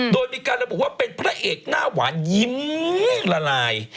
โดยมีการระบุว่าเป็นพระเอกหน้าหวานยิ้มละลาย